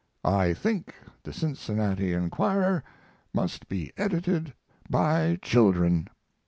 I think the Cincinnati Enquirer must be edited by children."